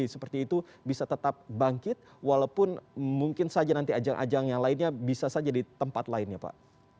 seperti itu bisa tetap bangkit walaupun mungkin saja nanti ajang ajang yang lainnya bisa saja di tempat lainnya pak